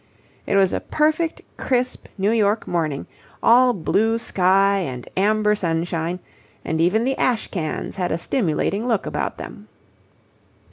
It was a perfect, crisp New York morning, all blue sky and amber sunshine, and even the ash cans had a stimulating look about them.